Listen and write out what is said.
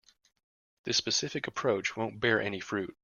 This specific approach won't bear any fruit.